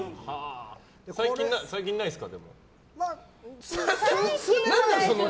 最近ないですか？